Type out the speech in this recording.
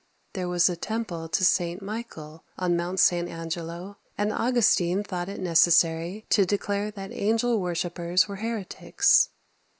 There was a temple to St. Michael on Mount St. Angelo, and Augustine thought it necessary to declare that angel worshippers were heretics.